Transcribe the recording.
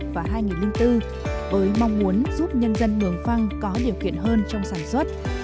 với mong muốn giúp nhân dân mường phân có điều kiện hơn trong sản xuất